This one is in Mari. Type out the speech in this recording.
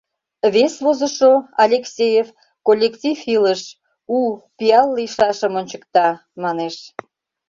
Вес возышо, Алексеев, коллектив илыш — у, пиал лийшашым ончыкта, манеш: